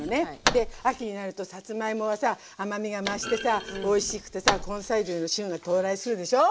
で秋になるとさつまいもはさ甘みが増してさおいしくてさ根菜類の旬が到来するでしょ。